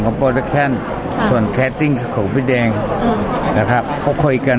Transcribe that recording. ของโบราแคทชั่นส่วนแคตติ้งของพี่แดงนะครับคบค่อยกัน